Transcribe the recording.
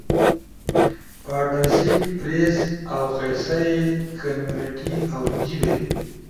پارٹنرشب، پریس، اؤ قصہ ئی، کمیونٹی اؤ جیِبے